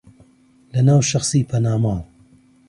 لەناو شەخسی پەنا ماڵ